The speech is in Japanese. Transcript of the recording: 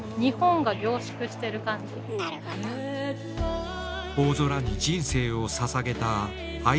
大空に人生をささげた相羽有さん。